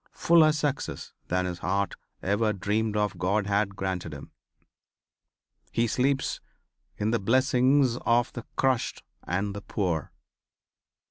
Fuller success than his heart ever dreamed of God had granted him. He sleeps in the blessings of the crushed and the poor.